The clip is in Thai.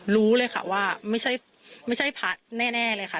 รู้เลยค่ะว่าไม่ใช่พระแน่เลยค่ะ